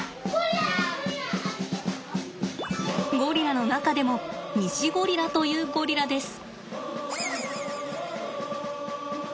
ゴリラの中でもニシゴリラというゴリラです。